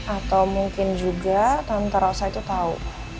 atau mungkin juga tante rosa itu tau